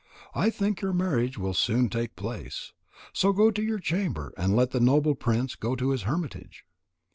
I think your marriage will soon take place. So go to your chamber, and let the noble prince go to his hermitage."